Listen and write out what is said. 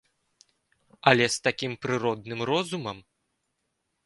Але з такім прыродным розумам!